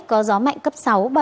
có gió mạnh cấp sáu bảy